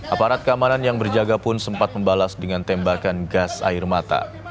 aparat keamanan yang berjaga pun sempat membalas dengan tembakan gas air mata